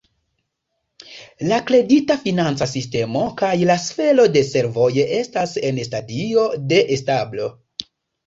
La kredita-financa sistemo kaj la sfero de servoj estas en stadio de establo.